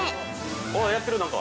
◆おっ、やってる何か。